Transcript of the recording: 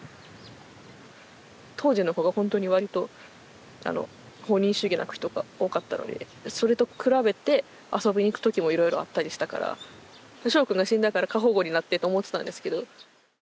当時の子がほんとにわりと放任主義な人が多かったのでそれと比べて遊びに行くときもいろいろあったりしたからしょうくんが死んだから過保護になってと思ってたんですけど。